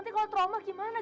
nanti kalau trauma gimana